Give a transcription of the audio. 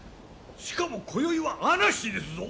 しかもこよいは嵐ですぞ！